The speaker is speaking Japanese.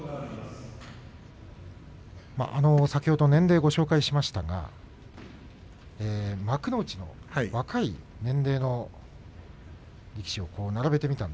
先ほど年齢をご紹介しましたが幕内の年齢の若い力士を並べてみました。